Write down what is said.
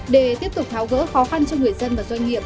để tiếp tục tháo gỡ khó khăn cho người dân và doanh nghiệp